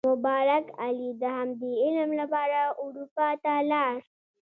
مبارک علي د همدې علم لپاره اروپا ته لاړ.